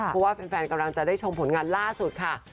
เพราะว่าแฟนกำลังจะได้ชมผลงานล่าสุดค่ะ